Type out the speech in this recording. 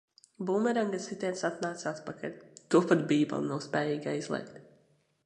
Bumeranga sitiens atnāca atpakaļ. To pat Bībele nav spējīga aizliegt.